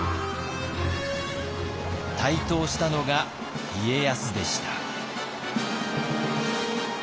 台頭したのが家康でした。